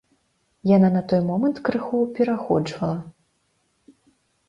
Яна на той момант крыху пераходжвала.